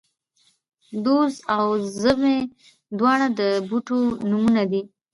دوز او زمۍ، دواړه د بوټو نومونه دي